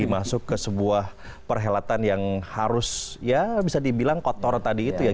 masuk ke sebuah perhelatan yang harus ya bisa dibilang kotor tadi itu ya